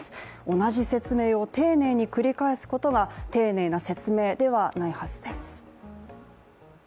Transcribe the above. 同じ説明を丁寧に繰り返すことが「丁寧な説明」ではないはずです。